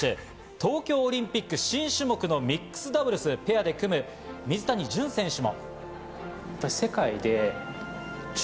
東京オリンピック、新種目のミックスダブルスペアで組む水谷隼選手も。